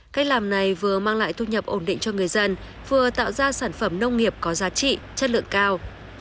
cách làm này vừa mang lại thu nhập ổn định cho người dân vừa tạo ra sản phẩm nông nghiệp có giá trị chất lượng cao